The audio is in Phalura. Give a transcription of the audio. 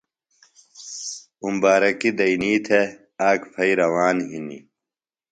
اُمبارکیۡ دینئی تھےۡ، آک پھئی روان ہِنیۡ۔